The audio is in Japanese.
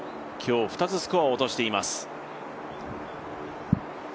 今日２つスコアを落としています。